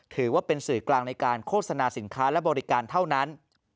ถือว่าเป็นสื่อกลางในการโฆษณาสินค้าและบริการเท่านั้น